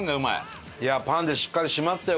パンでしっかり締まったよ